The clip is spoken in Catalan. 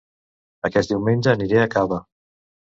Aquest diumenge aniré a Cava